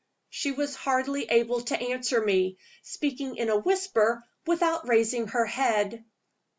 She was hardly able to answer me; speaking in a whisper, without raising her head.